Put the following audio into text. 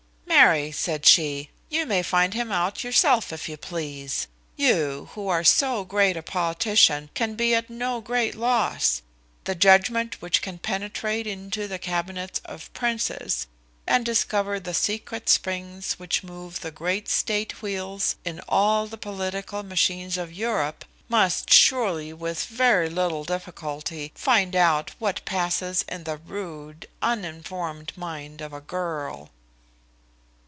"Marry!" said she, "you may find him out yourself if you please. You, who are so great a politician, can be at no great loss. The judgment which can penetrate into the cabinets of princes, and discover the secret springs which move the great state wheels in all the political machines of Europe, must surely, with very little difficulty, find out what passes in the rude uninformed mind of a girl."